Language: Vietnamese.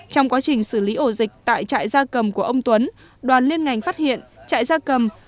trong quá trình xử lý ổ dịch tại trại da cầm của ông tuấn đoàn liên ngành phát hiện trại da cầm